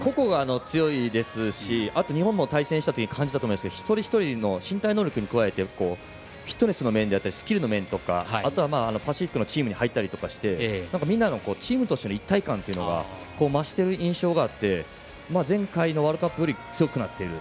個々が強いですし日本も感じたと思いますが一人一人の身体能力に加えて、フィットネススキルの面であったりパシフィックのチームに入ったりしてチームとしての一体感というのが増してる印象があって前回のワールドカップより強くなっている。